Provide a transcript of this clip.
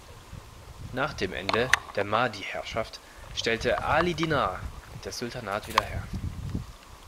Nach dem Ende der Mahdi-Herrschaft stellte Ali Dinar das Sultanat wieder her.